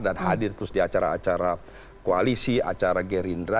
dan hadir terus di acara acara koalisi acara gerindra